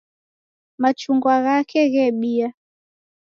Machungwa ghake ghebia